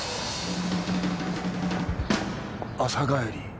朝帰り。